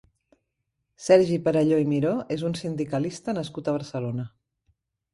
Sergi Perelló i Miró és un sindicalista nascut a Barcelona.